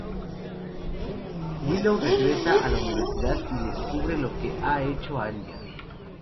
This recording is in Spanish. Willow regresa a la universidad y descubre lo que ha hecho Anya.